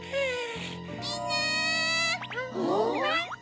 ・みんな！